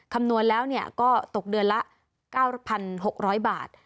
คำนวณแล้วก็ตกเดือนละ๙๖๐๐บาท